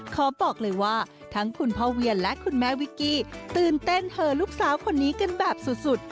ขอบอกเลยว่าทั้งคุณพ่อเวียนและคุณแม่วิกกี้ตื่นเต้นเธอลูกสาวคนนี้กันแบบสุด